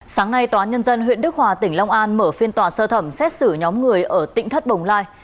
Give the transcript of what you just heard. sáng nay tòa án nhân dân huyện đức hòa tỉnh long an mở phiên tòa sơ thẩm xét xử nhóm người ở tỉnh thất bồng lai